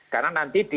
karena nanti di